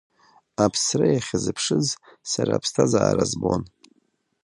Аԥсра иахьазыԥшыз сара аԥсҭазаара збон.